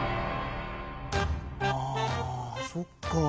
あそっか。